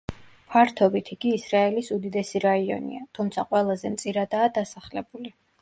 ფართობით იგი ისრაელის უდიდესი რაიონია, თუმცა ყველაზე მწირადაა დასახლებული.